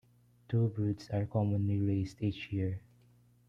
Two broods are commonly raised each year.